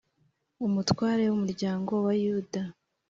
Umutware w umuryango wa Yuda